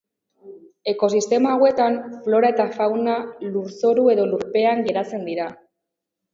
Ekosistema hauetan, flora eta fauna lurzoru edo lurpean garatzen dira.